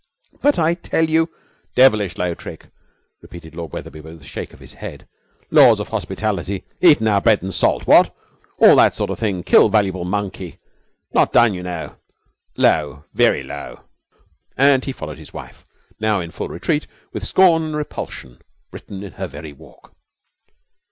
'But I tell you ' 'Devilish low trick!' repeated Lord Wetherby, with a shake of the head. 'Laws of hospitality eaten our bread and salt, what! all that sort of thing kill valuable monkey not done, you know low, very low!' And he followed his wife, now in full retreat, with scorn and repulsion written in her very walk.